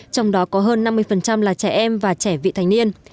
trong đó có hơn năm mươi là trẻ em và trẻ vị thành niên